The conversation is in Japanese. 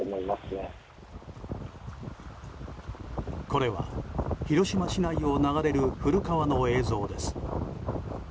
これは広島市内を流れる古川の映像です。